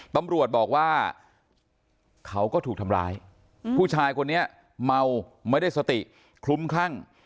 ตำรวจบอกว่าเขาก็ถูกทำร้ายผู้ชายคนนี้เมาไม่ได้สติคลุ้มคลั่ง